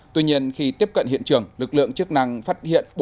tuy nhiên khi tiếp cận hiện trường lực lượng chức năng phát hiện